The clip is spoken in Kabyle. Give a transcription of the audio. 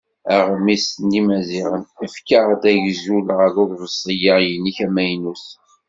Aɣmis n Yimaziɣen: "Efk-aɣ-d agzul ɣef uḍebsi-a-inek amaynut.